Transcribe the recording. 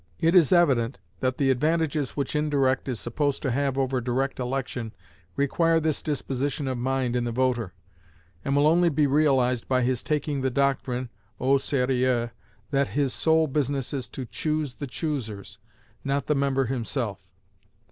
It is evident that the advantages which indirect is supposed to have over direct election require this disposition of mind in the voter, and will only be realized by his taking the doctrine au serieux, that his sole business is to choose the choosers, not the member himself.